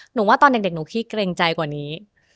หนูว่าตอนเด็กหนูขี้เกรงใจกว่านี้